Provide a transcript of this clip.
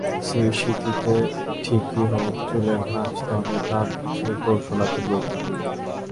সিঁথিতেই ঠিক হোক চুলের ভাঁজ, তবে তারও কিছু কৌশল আছে বৈকি।